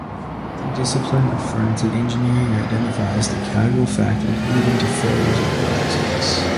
The discipline of forensic engineering identifies the causal factors leading to failures or accidents.